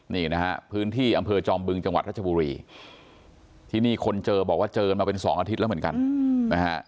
นี่นะฮะพื้นที่อำเภอจอมบึงจังหวัดรัชบุรีที่นี่คนเจอบอกว่าเจอกันมาเป็นสองอาทิตย์แล้วเหมือนกันนะฮะ